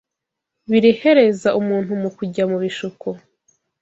birehereza umuntu mu kujya mu bishuko